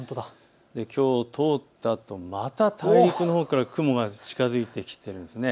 きょう通ったあと、また大陸のほうから雲が近づいてきています。